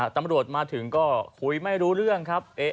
ตำรวจมาถึงก็คุยไม่รู้เรื่องครับ